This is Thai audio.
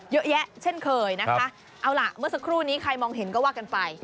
เยอะแยะเช่นเคยนะคะเอาล่ะเมื่อสักครู่นี้ใครมองเห็นก็ว่ากันไป